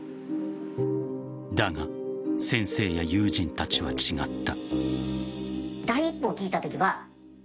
だが、先生や友人たちは違った。